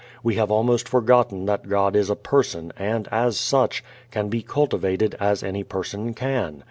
We have almost forgotten that God is a Person and, as such, can be cultivated as any person can.